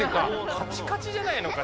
カチカチじゃないのか？